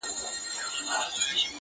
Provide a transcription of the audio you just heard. د ځوانيمرگي ښکلا زور، په سړي خوله لگوي_